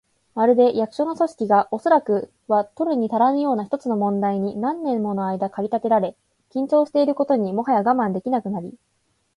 まるで、役所の組織が、おそらくは取るにたらぬような一つの問題に何年ものあいだ駆り立てられ、緊張していることにもはや我慢できなくなり、